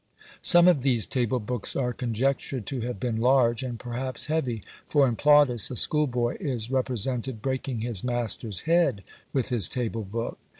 Some of these table books are conjectured to have been large, and perhaps heavy, for in Plautus, a school boy is represented breaking his master's head with his table book.